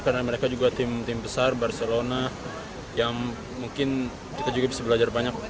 karena mereka juga tim tim besar barcelona yang mungkin kita juga bisa belajar banyak